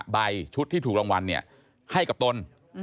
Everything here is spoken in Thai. ใบชุดที่ถูกรางวัลให้กับตน